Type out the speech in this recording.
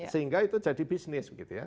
sehingga itu jadi bisnis